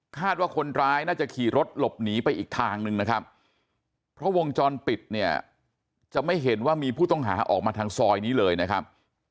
ว่าคนร้ายน่าจะขี่รถหลบหนีไปอีกทางนึงนะครับเพราะวงจรปิดเนี่ยจะไม่เห็นว่ามีผู้ต้องหาออกมาทางซอยนี้เลยนะครับ